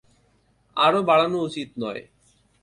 আরও বাড়ানো উচিত নয়।